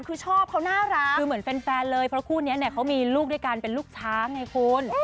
คือชอบเขาน่ารักคือเหมือนแฟนเลยเพราะคู่นี้เนี่ยเขามีลูกด้วยกันเป็นลูกช้างไงคุณ